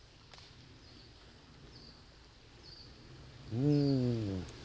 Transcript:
うん。